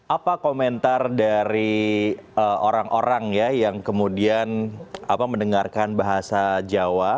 apa komentar dari orang orang ya yang kemudian mendengarkan bahasa jawa